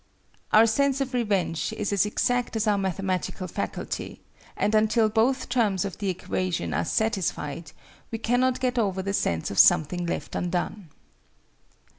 Our sense of revenge is as exact as our mathematical faculty, and until both terms of the equation are satisfied we cannot get over the sense of something left undone.